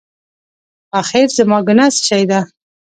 اخېر زما ګناه څه شی ده؟